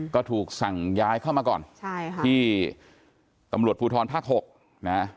ก็ถูกสั่งย้ายเข้ามาก่อนที่ตำรวจภูทรภาค๖นะครับ